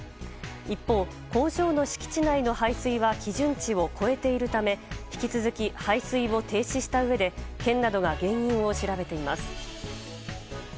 一方、工場の敷地内の排水は基準値を超えているため引き続き排水を停止したうえで県などが原因を調べています。